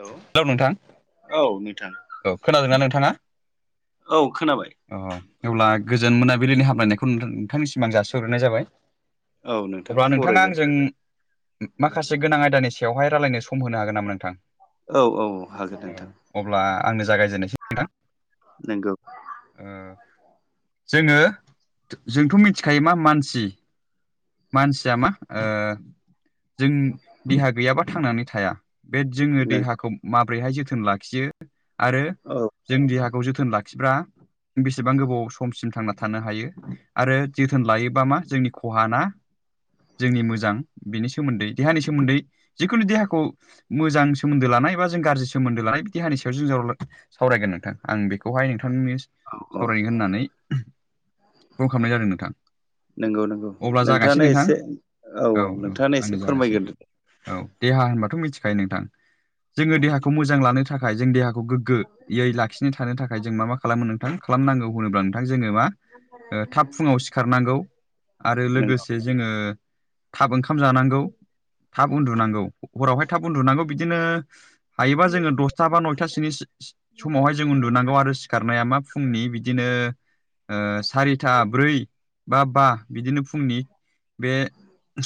औ हेल' नोंथां औ नोंथां औ खोनादोंना नोंथाङा? औ खोनाबाय अह अब्ला गोजोन मोनाबिलिनि हामलायनायखौ नोंथां नोंथांनिसिम आं जासि हरग्रोनाय जाबाय। औ नोंथां अब्ला नोंथाङा बरायबाय आंजों माखासे गोनां आयदानि बेवहाय रायज्लायनो सम होनो हागोन नामा नोंथां औ-औ औ अब्ला आंनो जागायजेननोसै नोंथां नंगौ जोङो जोंथ' मिथिखायो मा मानसि मानसिया मा जों देहा गैयाबा थांनानै थाया बे जोङो नंगौ देहाखौ माबोरैहाय जोथोन लाखियो आरो औ जों देहाखौ जोथोन लाखिग्रा बेसेबां गोबाव समसिम थांना थानो हायो आरो जोथोन लायोबा मा जोंनि खहा ना। जोंनि मोजां बिनि सोमोन्दै देहानि सोमोन्दै जिखुनु देहाखौ मोजां सोमोन्दो लानाय बा जों गाज्रि सोमोन्दो लानाय बिदि देहानि सायाव जों सावरायगोन नोंथां आं बेखौ खौहाय नोंथांनो औ औ सावरायगोन होननानै कल खालामनाय जादों नोंथां नंगौ नंगौ अब्ला जागायसै नोंथाङानो नोंथां एसे औ औ औ-औ नोंथाङानो एसे आंनो जागायसै फोरमायग्रोदो औ देहा होनबाथ' मिथिखायो नोंथां जोङो देहाखौ मोजां लानो थाखाय जों देहाखौ खौ गोग्गोयै लाखिनो थानो थाखाय जों मा मा खालामो नोंथां खालामनांगौ होनोब्ला नोंथां जोङो मा थाब फुङाव सिखारनांगौ आरो नंगौ लोगोसे जोङो थाब ओंखाम जानांगौ थाब उन्दुनांगौ हरावहाय थाब उन्दुनांगौ बिदिनो हायोबा जोङो दसथा बा नयथासिनि सि-सि-समावहाय जों उन्दुनांगौ आरो सिखारनाया मा फुंनि बिदिनो उ सारिथा ब्रै बा बा बिदिनो फुंनि बे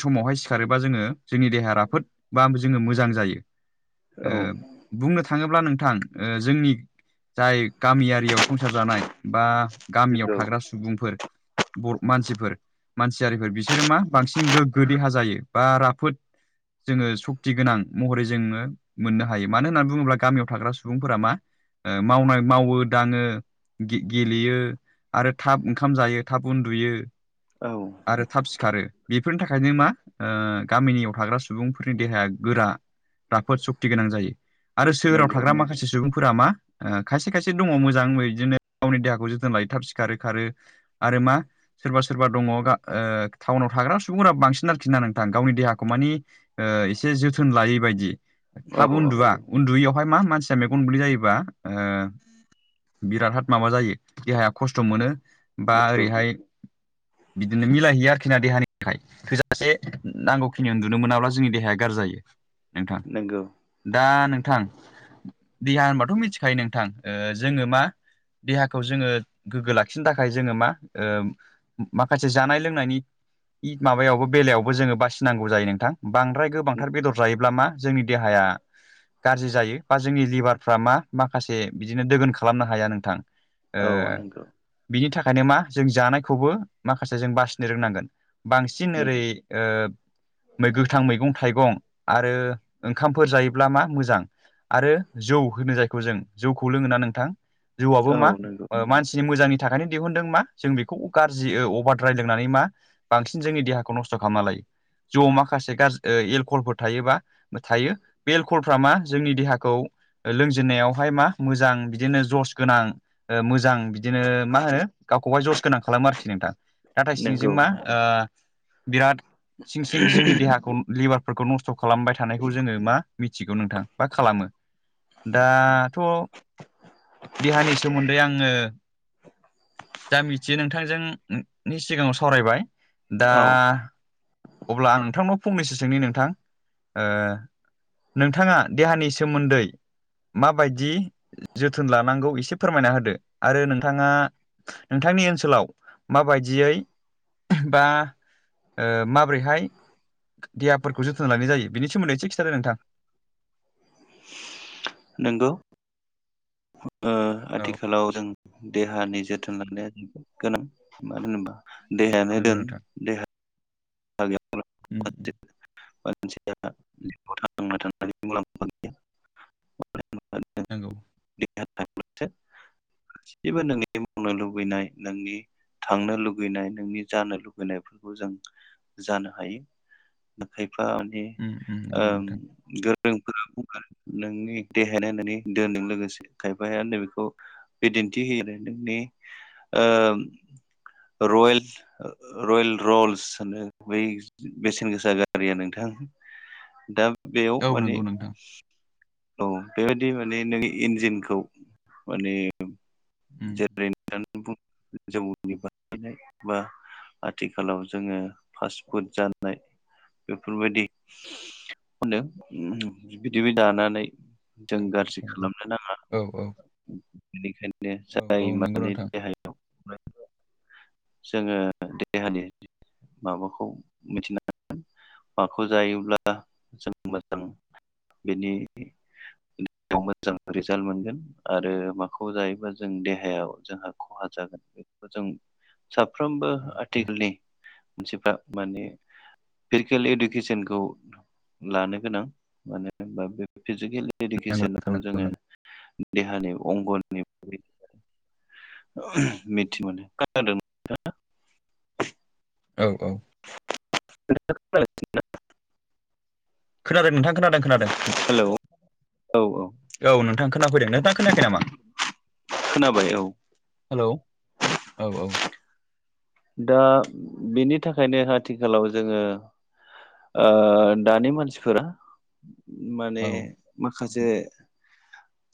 समावहाय सिखारोबा जोङो जोंनि देहा राफोद बा जोङो मोजां जायो ओ औ बुंनो थाङोब्ला नोंथां उ जोंनि जाय गामिआरियाव संसार जानाय बा गामियाव नंगौ थाग्रा सुबुंफोर बर मानसिफोर मानसि [unintelligible] बिसोरो मा बांसिन गोग्गो देहा जायो बा राफोद जोङो सक्ति गोनां महरै जोङो मोननो हायो मानो होननानै बुङोब्ला गामियाव थाग्रा सुबुंफोरा मा ओ मावनाय मावो दाङो गे गेलेयो आरो थाब ओंखाम जायो थाब उन्दुयो। औ आरो थाब सिखारो बेफोरनि थाखायनो मा ओ गामिनियाव थाग्रा सुबुंफोरनि देहाया गोरा। राफोद सुक्ति गोनां जायो। आरो सोहोराव नंगौ थाग्रा माखासे सुबुंफोरा मा ओ खायसे खायसे दङ मोजांबै बिदिनो गावनि देहाखौ जोथोन लायो थाब सिखारो खारो आरो मा? सोरबा - सोरबा दङ गा ओ टाउनाव थाग्रा सुबुंफोरा बांसिन आरोखि ना नोंथां गावनि देहाखौ मानि ओ इसे जोथोन लायि बायदि। औ थाब औ उन्दुआ उन्दुयैयावहाय मा मानसिया मेगन मोदै जायोबा ओ बिराद हाद माबा जायो देहाया खस्थ' मोनो बा नंगौ ओरैहाय बिदिनो मिलायहिया आरोखिना देहानि थाखाय। थोजासे नांगौखिनि उन्दुनो मोनाब्ला जोंनि देहाया गाज्रि जायो। नोंथां नंगौ दा नोंथां देहा होनबाथ' मिथिखायो नोंथां ओ जोङो मा देहाखौ जोङो गोग्गो लाखिनो थाखाय जोङो मा ओ माखासे जानाय लोंनायनि इ माबायावबो बेलायावबो जोङो बासिनांगौ जायो नोंथां। बांद्राय गोबांथार बेदर जायोब्ला मा? जोंनि देहाया गाज्रि जायो बा जोंनि लिभारफ्रा मा माखासे बिदिनो दोगोन खा खालामनो हाया नोंथां ओ औ नंगौ बिनि थाखायनो मा जों जानायखौबो माखासे जों बासिनो रोंनांगोन बांसिन ओरै ओ मै गोथां मैगं थाइगं आरो ओंखामफोर जायोब्ला मा मोजां। आरो जौ होनो जायखौ जों। जौखौ लोङोना नोंथां? जौआबो औ मा नंगौ ओ मानसिनि मोजांनि थाखायनो दिहुनदों मा जों बेखौ गाज्रि ओ अभारद्राय लोंनानै मा बांसिन जोंनि देहाखौ नस्थ' खालामना लायो जौआव माखासे गाज्रि ओ एलक'हलफोर थायो बा थायो बे एलक'हलफ्रा मा जोंनि देहाखौ लोंजेननायावहाय मा मोजां बिदिनो ज'स गोनां ओ मोजां बिदिनो मा होनो गावखौहाय ज'स गोनां खालामो आरोखि नोंथां। नाथाय सिंजों नंगौ मा ओ बिराद सिं - सिं जोंनि देहाखौ लिभार फोरखौ नस्थ' खालामबाय थानायखौ जोङो मा मिथिगौ नोंथां बा खालामो। दाथ' देहानि सोमोन्दै आङो दा मिथियो नोंथांजों नि सिगाङाव सावरायबाय दा औ अब्ला आं नोंथांनाव फंनैसो सोंनि नोंथां ओ नोंथाङा देहानि सोमोन्दै माबायदि जोथोन लानांगौ इसे फोरमायना होदो आरो नोंथाङा नोंथांनि ओनसोलाव माबायदियै बा ओ मा ब्रैहाय देहाफोरखौ जोथोन लानाय जायो बेनि सोमोन्दै इसे खिथादो नोंथां। नोंगौ। ओ औ आथिखालाव जों देहानि जोथोन लानाया जोबोद गोनां मानो होनोबा देहायानो नंगौ दोन देहा ओम। गैयाब्ला मानसिया जिवाव थांना थानायनि मुलाम्फा गैया मानो होनोबा जों नोंगौ। देहा थाब्लासो जेबो नोंनि [unintelligible] लुबैनाय नोंनि थांनो लुुबैनाय नोंनि जानो लुुबैनायफोरखौ जों जानो हायो खायफा माने उम उम नंगौ ओम नोंथां गोरोंफोरा बुंगोन नोंनि देहायानो नोंनि दोनदों लोगोसे खायफाया होनदो बेखौ बिदिन्थि होयो आरो नोंनि ओ र'येल-र'येल र'ल्स होनो। बै बेसेन गोसा गारिया नोंथां दा बेयाव औ माने नंगौ नोंथां औ बेबायदि माने नों इन्जिनखौ माने उम [unintelligible] बा आथिखालाव जोङो फास्टफुड जानाय बेफोरबायदि [unintelligible] बिदि बे दानानै जों नंगौ गाज्रि नोंथां नंगौ खालामनो नाङा औ औ बेनिखायनो औ जाय औ नंगौ माने नोंथां देहाया [inaudible] जोङो देहानि माबाखौ मिथिना माखौ जायोब्ला जों मोजां बेनि [unintelligible] मोजां रिजाल्ट मोनगोन। आरो माखौ जायोबा जों देहायाव जोंहा ख'हा जागोन जों साफ्रोमबो औ औ आथिखालनि मानसिफ्रा माने फिटकेल इडुकेसनखौ लानो गोनां मानो होनबा बे फिजिकेल नंगौ नोंथां इडुकेसनाव नंगौ जोङो नंगौ देहानि अंगनि मिथि मोनो [unintelligible] औ औ। [inaudible] खोनादों नोंथां खोनादों खोनादों उम। हेलौ औ औ। औ नोंथां खोनाफैदों नोंथां खोनायाखै नामा? खोनाबाय औ। हेलौ औ औ। दा बेनि थाखायनो आथिखालाव जोङो ओ दानि मानसिफोरा माने औ माखासे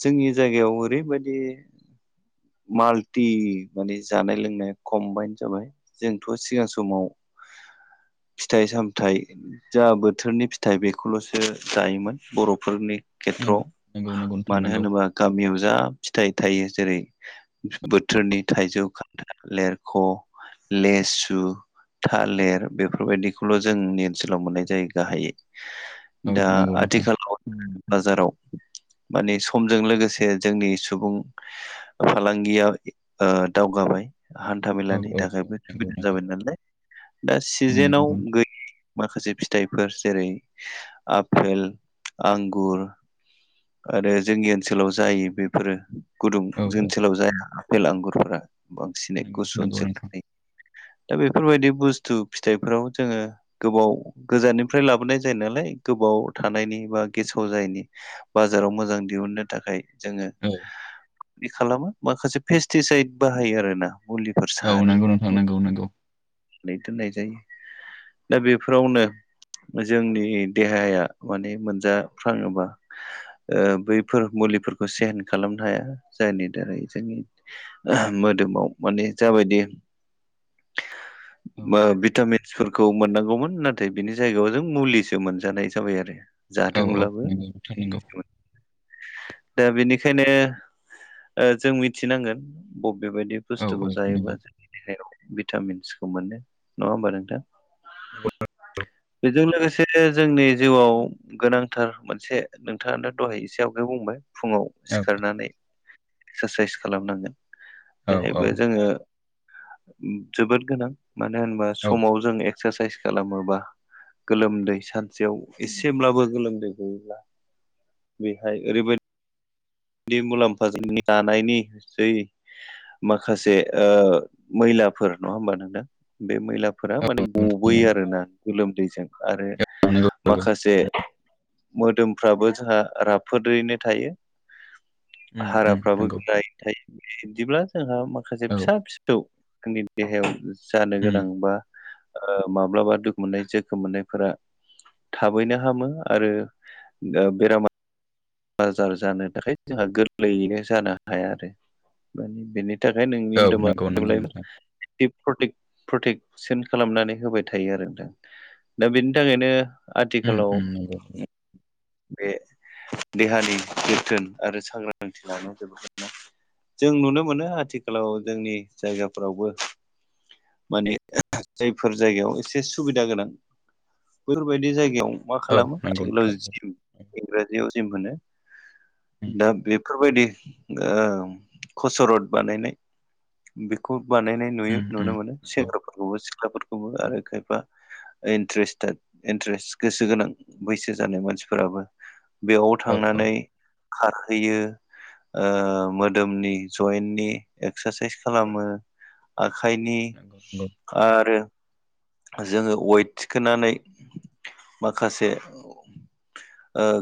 जोंनि जायगायाव ओरैबादि माल्टि माने जानाय लोंनाय खमबाइन जाबाय जोंथ' सिगां समाव फिथाइ सामथाइ जा बोथोरनि फिथाइ बेखौल'सो जायोमोन बर'फोरनि नंगौ खेथ्रआव नंगौ नंगौ नोंथां मानो नंगौ होनोबा गामियाव जा फिथाइ थायो जेरै बोथोरनि थाइजौ खान्थाल लेरख' लेसु थालेर बेफोरबायदिखौल' जोंनि ओनसोलाव मोननाय जायो गाहायै। औ दा नंगौ नोंथां आथिखालाव [inaudible] बाजाराव माने समजों लोगोसे जोंनि सुबुं फालांगियाव ओ दावगाबाय। हान्था औ मेलानि औ औ थाखायबो नंगौ [inaudible] नंगौ जाबाय नालाय दा उम सिजेनाव नंगौ नोंथां गो माखासे फिथाइफोर जेरै आपेल आंगुर आरो जोंनि ओनसोलाव जायो बेफोरो गुदुं औ औ ओनसोलाव जाया आफेल आंगुरफोरा बांसिनै नंगौ गुसु नंगौ ओनसोल जायो। [inaudible] दा बेफोरबायदि बुस्थु फिथाइफोराव जोङो गोबाव गोजाननिफ्राय लाबोनाय जायो नालाय गोबाव थानायनि बा गेसाव जायैनि बाजाराव मोजां दिहुननो थाखाय जोङो औ बि खालामो माखासे पेस्टिसाइद बाहायो आरोना मुलि। औ नोंगौ नोंथां नोंगौ नोंगौ। नै दोननाय जायो दा बेफोरावनो जोंनि देहाया माने मोनजाफ्राङोबा ओ बैफोर मुलिफोरखौ सेहेन खालामनो हाया जायनि थाखाय जों मोदोमाव माने जाबायदि औ बा बिटामिन सोरखौ मोननांगौमोन नाथाय बिनि जायगायाव जों मुलिसो मोनजानाय जाबाय आरो। औ औ जादोंब्लाबो नंगौ नोंथां नंगौ दा बेनिखायनो जों मिथिनांगोन बबेबायदि औ बुस्थुखौ औ जायोबा नंगौ जोंनि देहायाव भिटामिन्सखौ मोनो नङा होमबा नोंथां। औ औ बेजों लोगोसेनो जोंनि जिउआव गोनांथार मोनसे नोंथाङानोा दहाय एसे आवगायाव बुंबाय फुंङाव औ सिखारनानै एक्सारसाइस खालामनांगोन औ औ बेहायबो जोंङो जोबोद गोनां मानो होनबा औ समाव जों एक्सारसाइस खालामोबा गोलोमदै सानसेयाव एसेब्लाबो गोलोमदै गयोब्ला बेहाय ओरैबाय दि मुलाम्फ दानायनि जै माखासे मैलाफोर नङा होमबा नोंथां बे मैलाफोरा माने औ नोंथां नंगौ गबोयो आरोना गोलोमदैजों आरो औ नंगौ नंगौ माखासे मोदोमफ्राबो जोंहा राफोदैनो थायो। उम उम हाराफ्राबो नंगौ गोरायैनो थायो बिदिब्ला जोंहा माखासे औ फिसा फिसा जोंनि देहायाव जानो उम गोनां बा ओ माब्लाबा दुखु मोननाय जोखोम मोननायफोरा थाबैनो हामो आरो बेरामा बाजार जानो थाखाय जोंहा गोरलैयैनो जानो हाया आरो माने बेनो थाखाय नोंनि औ मोदोमा नंगौ नंगौ जेब्लायबो नोंथां प्रटेक-प्प्रटेकसन खालामनानै होबाय थायो आरो नोंथां दा बेनि थाखायनो अम आथिखालाव अम दे बे देहानि जोथोन आरो सांग्रांथि लानाया जोबोनो जों नुनो मोनो आथिखालाव जोंनि जायगाफ्रावबो माने जायफोर जायगायाव एसे सुबिदा गोनां बेफोरबायदि जायगायाव मा औ खालामो नंगौ नोंथां टेकनलजि नंगौ इंराजियाव जि मोनो उम दा बेफोरबायदि ओ कसरत बानायनाय बेखौ बानायनाय नुयो उम नुनो उम मोनो। नंगौ सेंग्राफोरखौबो सिख्लाफोरखौबो उम आरो खायफा इनथ्रेस्थेथ इनथ्रेस गोसो गोनां बैसो जानाय मानसिफो राबो बेयाव औ औ थांनानै खारहैयो मोदोमनि जयन्टनि एक्सारसाइस खालामो। आखाइनि नंगौ नंगौ आरो जोंङो वेट थिखोनानै माखासे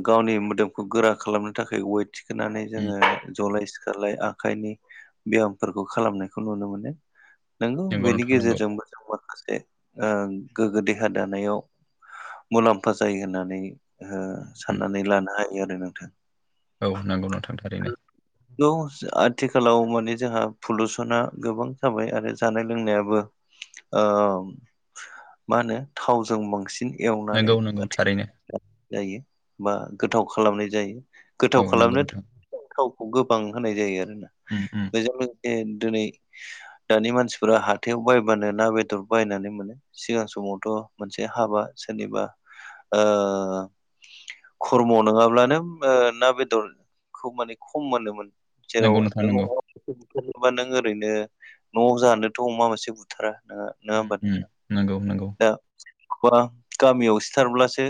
गावनि मोदोमखौ गोरा खालामनो थाखाय वेट थिखोननानै उम जोंङो जलाय सिखारलाय आ खायनि बेयामफोरखौ खालामनायखौ नुनो मोनो नंगौ बेनि नोंथां नंगौ गेजेरजोंबो माखासे ओ गोगो देहा दानायाव मुलाम्फा जायो होननानै ओ उम उम साननानै लानो हायो आरो नोंथां औ नंगौ नोंथां थारैनो आथिखालाव माने जोंहा पलुसना गोबां जाबाय आरो जानाय लोंनायाबो ओ मा होनो थावजों बांसिन एवनानै नंगौ नंगौ आथि थारैनो जायो बा औ गोथाव खालामनाय जायो गोथाव औ नंगौ खालामनो था नोंथां वखौ गोबां होनाय जायो आरो ना उम उम बेजों लो गोसे दिनै दानि मानसिफोरा हाथायाव बायबानो ना बेदर बायनानै मोनो। सिगां समावथ' मोनसे हाबा सोरनिबा ओ खर्मआव नङाब्लानो ओ ना बेदरखौ माने खम मोनोमोन। जेराव नंगौ नोंथां नों नंगौ अमा मासे बुथारोबा नों ओरैनो न'आव जानोथ' अमा मासे बुथारा। नङा उम होमबा उम नोंथां। नंगौ नंगौ दा बा गामियाव सिथारब्लासो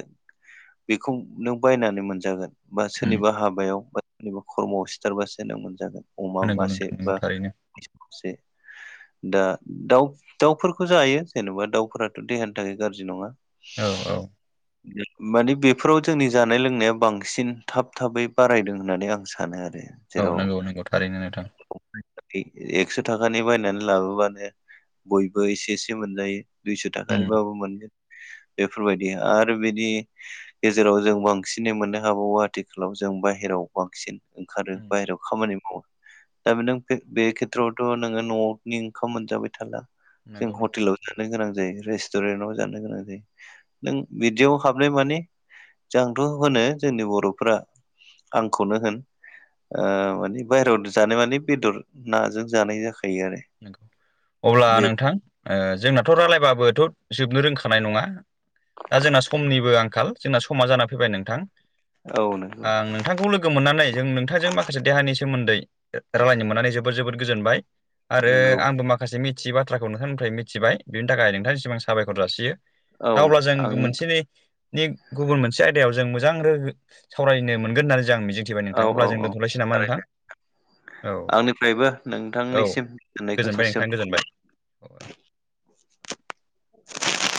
बेखौ नों बायनानै मोनजागोन बा उम सोरनिबा हाबायाव बा सोरनिबा खर्मआव सिथारबासो नों मोनजागोन अमा नंगौ मासे नोंथां नंगौ बा थारैनो बे दा दाउ दाउफोरखौ जायो जेनेबा दाउफोराथ' देहानि थाखाय गाज्रि नङा औ औ मानि बेफोराव जोंनि जानाय लोंनाया बांसिन थाब थाबै बारायदों होननानै आं सानो आरो औ जेराव नंगौ नंगौ थारैनो नोंथां [unintelligible] ए एक्स' थाखानि बायनानै लाबोबानो बयबो एसे एसे मोनजायो दुइस' उम थाखानिबाबो मोनगोन बेफोरबायदि आरो बिदि गेजेराव जों बांसिनै मोननो हाबावो आथिखालाव जों बाहेराव बांसिन ओंखारो उम बाहेरायाव खामानि मावो दा बे नों बे बे खेथ्रआवथ' नोङो न'नि ओंखाम मोनजाबाय थाला जों नंगौ नोंथां हटेलाव जानो गोनां जायो रेस्टुरेन्टव जानो गोनां जायो नों बिदियाव हाबनाय माने जंथ' होनो जोंनि बर'फ्रा आंखौनो होन ओ माने बायहेरायाव जानाय माने बेदर नाजों जानाय जाखायो आरो नंगौ अब्ला बे नोंथां जोंनाथ' रायज्लायबाबोथ' जोबनो रोंखानाय नङा दा जोंना समनिबो आंखाल जोंना समा जाना फैबाय नोंथां औ नंगौ आं नों नोंथांखौ लोगो मोननानै जों नोंथांजों माखासे देहानि सोमोन्दै रायलायनो मोननानै जोबोद जोबोद गोजोनबाय। आरो नंगौ आंबो माखासे मिथियि बाथ्राखौ नोंथांनिफ्राय मिथिबाय बिनि थाखाय नोंथांनिसिम आं साबायखर जासियो। औ दा अब्ला जों आं मोनसेनि नि गुबुन मोनसे आयदायाव जों मोजां रो सावरायनो मोनगोन होननानै जों आं मिजिं मिथिबाय औ नोंथाङ अब्ला औ जों औ दोनथ'लायसै नामा नोंथां थारैनो औ आंनिफ्रायबो औ नोंथांनिसिम गोजोननायखौ गोजोनबाय नोंथां जासिहरनाय थाबाय गोजोनबाय [unintelligible]